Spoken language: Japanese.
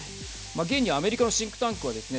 現にアメリカのシンクタンクはですね